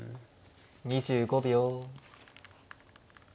２５秒。